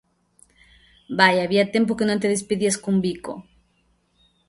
_Vaia, había tempo que non te despedías cun bico.